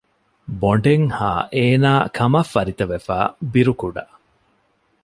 ބޮނޑެއް ހައި އޭނާ ކަމަށް ފަރިތަވެފައި ބިރުކުޑަ